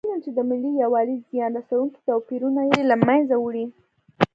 وینم چې د ملي یووالي زیان رسونکي توپیرونه یې له منځه وړي.